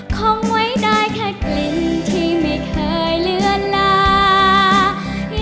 คงไว้ได้แค่กลิ่นที่ไม่เคยเลือนลา